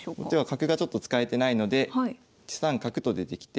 角がちょっと使えてないので１三角と出てきて。